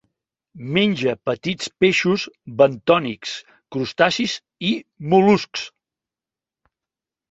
Menja petits peixos bentònics, crustacis i mol·luscs.